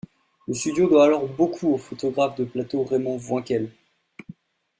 Le studio doit alors beaucoup au photographe de plateau Raymond Voinquel.